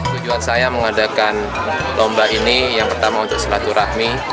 tujuan saya mengadakan lomba ini yang pertama untuk selaturahmi